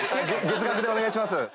月額でお願いします。